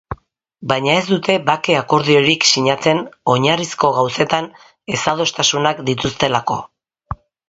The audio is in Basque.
Baina ez dute bake akordiorik sinatzen oinarrizko gauzetan ezadostasunak dituztelako.